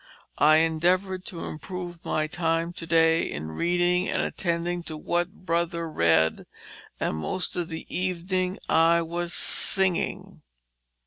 I endeavored to improve my time to day in reading and attending to what Brother read and most of the evening I was singing."